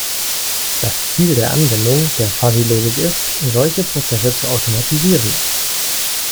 Das Ziel der Anwendung der Fuzzy-Logik ist, solche Prozesse zu automatisieren.